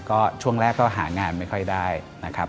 ก็ช่วงแรกก็หางานไม่ค่อยได้นะครับ